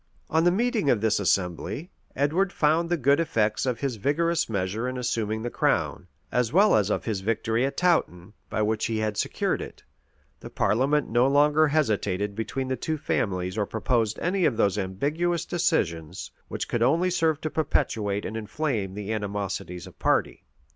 On the meeting of this assembly, Edward found the good effects of his vigorous measure in assuming the crown, as well as of his victory at Touton, by which he had secured it;[] the parliament no longer hesitated between the two families or proposed any of those ambiguous decisions which could only serve to perpetuate and inflame the animosities of party.